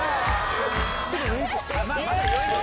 ちょっと酔いが。